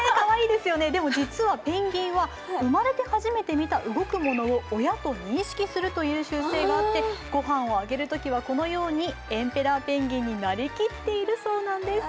ペンギンは生まれて初めて見た動くものを親と認識するという修正があって御飯をあげるときは、このようにエンペラーペンギンになりきっているそうなんです。